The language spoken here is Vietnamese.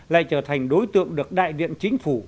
lại trở thành đối tượng được đại điện chính phủ